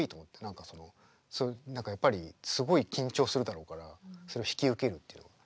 何かやっぱりすごい緊張するだろうからそれを引き受けるっていうのは。